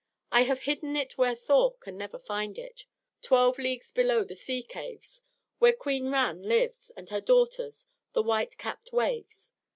I have hidden it where Thor can never find it, twelve leagues below the sea caves, where Queen Ran lives with her daughters, the white capped Waves.